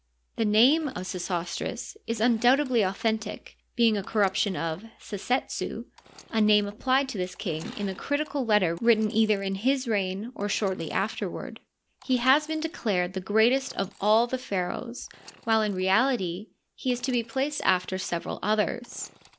The name of Sesostris is undoubtedly authentic, being a corruption of Sesetsu—?i name applied to this king in a critical letter written either in his reign or shortly after ward. He has been declared the greatest of all the pha raohs, while in reality he is to be placed after several others.